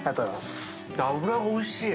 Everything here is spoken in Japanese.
脂がおいしい！